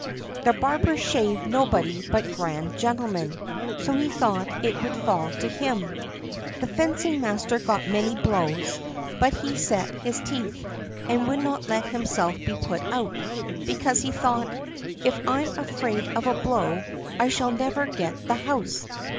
The barber shaved nobody but grand gentlemen, so he thought it would fall to him. The fencing master got many blows, but he set his teeth, and would not let himself be put out, because he thought, "If I am afraid of a blow, I shall never get the house."